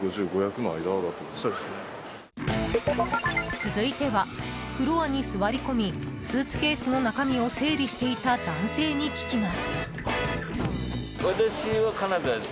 続いては、フロアに座り込みスーツケースの中身を整理していた男性に聞きます。